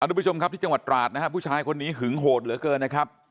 ทุกผู้ชมครับที่จังหวัดตราดนะฮะผู้ชายคนนี้หึงโหดเหลือเกินนะครับ